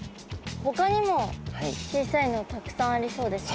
ほかにも小さいのたくさんありそうですね。